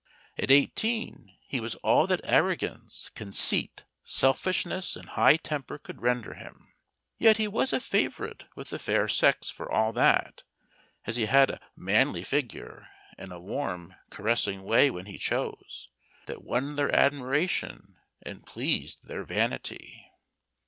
At eighteen he was all that arrogance, conceit, selfishness, and high temper could render him. Yet he was a favorite with the fair sex for all that, as he had a manly figure, and a warm, caressing way when he chose, that won their admiration and pleased their vanity.